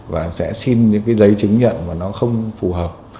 và sẽ xin những cái giấy chứng nhận mà nó không phù hợp